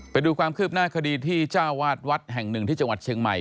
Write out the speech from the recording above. ไปดูความคืบหน้าคดีที่เจ้าวาดวัดแห่งหนึ่งที่จังหวัดเชียงใหม่